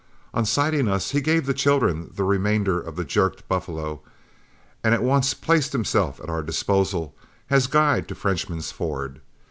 On sighting us, he gave the children the remainder of the jerked buffalo, and at once placed himself at our disposal as guide to Frenchman's Ford.